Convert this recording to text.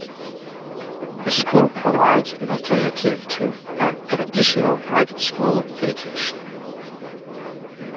The school provides an alternative to a 'traditional private school' education.